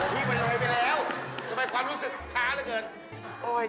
ทำไมความรู้สึกช้าเท่าเกิน